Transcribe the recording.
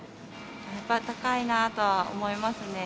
高いなとは思いますね。